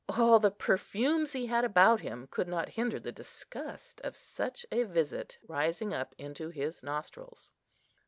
All the perfumes he had about him could not hinder the disgust of such a visit rising up into his nostrils.